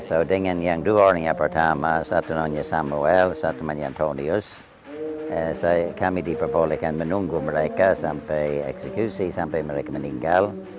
saya dengan yang dua orang yang pertama satu namanya samuel satu namanya traunius kami diperbolehkan menunggu mereka sampai eksekusi sampai mereka meninggal